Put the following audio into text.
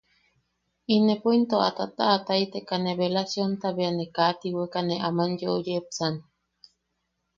Inepo into a tataʼataiteka ne beelasionta bea ne kaa tiweka ne aman yeu yepsan.